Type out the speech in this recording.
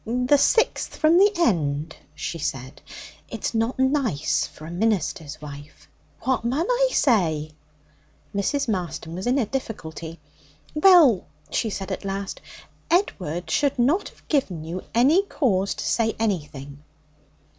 'The sixth from the end,' she said; 'it's not nice for a minister's wife.' 'What mun I say?' Mrs. Marston was in a difficulty. 'Well,' she said at last, 'Edward should not have given you any cause to say anything.'